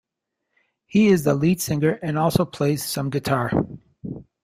He is the lead singer and also plays some guitar.